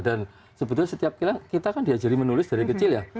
dan sebetulnya setiap kita kan diajari menulis dari kecil ya